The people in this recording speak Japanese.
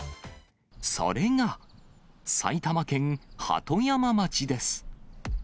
それが、埼玉県鳩山町です。